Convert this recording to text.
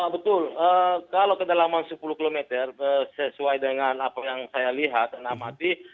betul kalau kedalaman sepuluh km sesuai dengan apa yang saya lihat dan amati